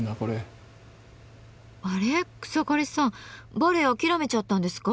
草刈さんバレエ諦めちゃったんですか？